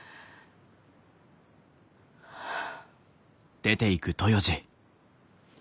はあ。